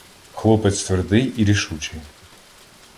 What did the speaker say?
Хлопець твердий і рішучий.